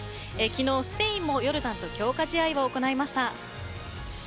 昨日、スペインもヨルダンと強化試合を行いました。